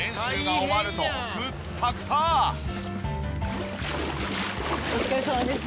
お疲れさまです。